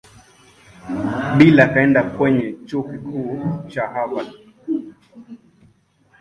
Bill akaenda kwenye Chuo Kikuu cha Harvard.